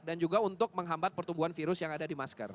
dan juga untuk menghambat pertumbuhan virus yang ada di masker